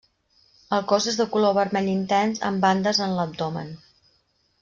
El cos és de color vermell intens, amb bandes en l'abdomen.